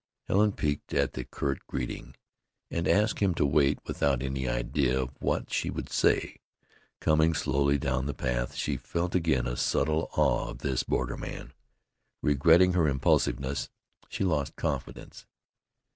Helen, piqued at his curt greeting, had asked him to wait without any idea of what she would say. Coming slowly down the path she felt again a subtle awe of this borderman. Regretting her impulsiveness, she lost confidence.